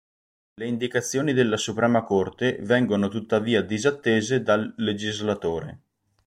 Le indicazioni della suprema Corte vengono tuttavia disattese dal legislatore.